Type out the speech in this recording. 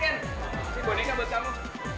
ini boneka buat kamu